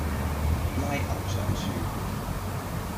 拉牛上樹